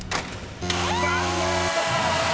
［残念！］